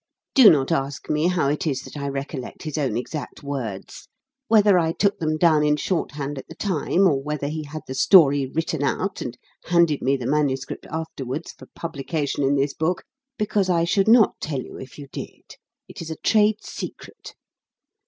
(Do not ask me how it is that I recollect his own exact words whether I took them down in shorthand at the time, or whether he had the story written out, and handed me the MS. afterwards for publication in this book, because I should not tell you if you did. It is a trade secret.)